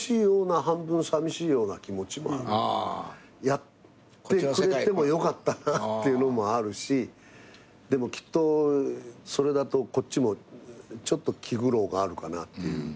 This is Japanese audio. やってくれてもよかったなっていうのもあるしでもきっとそれだとこっちもちょっと気苦労があるかなっていう。